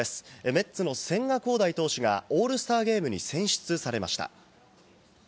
メッツの千賀滉大投手がオールスターゲームに選出されました。